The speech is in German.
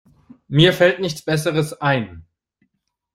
Mir fällt nichts besseres ein.